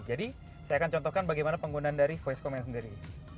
jadi saya akan contohkan bagaimana penggunaan dari voice command sendiri